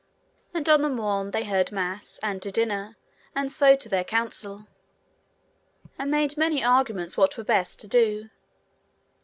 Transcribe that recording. And on the morn they heard mass, and to dinner, and so to their council, and made many arguments what were best to do.